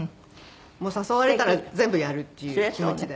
もう誘われたら全部やるっていう気持ちで。